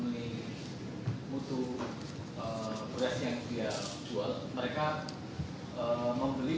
ini terima kasih